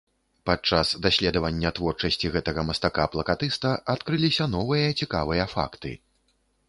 Падчас даследавання творчасці гэтага мастака-плакатыста адкрыліся новыя цікавыя факты.